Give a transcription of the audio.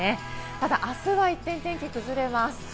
ただ明日は一転、天気が崩れます。